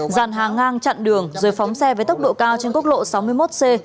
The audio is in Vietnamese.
dàn hàng ngang chặn đường rồi phóng xe với tốc độ cao trên quốc lộ sáu mươi một c